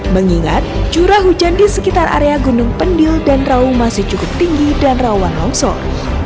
mengingat curah hujan di sekitar area gunung pendil dan raung masih cukup tinggi dan rawan longsor